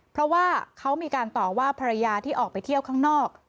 เพราะว่าเขามีการต่อว่าภรรยาที่ออกไปเที่ยวข้างนอก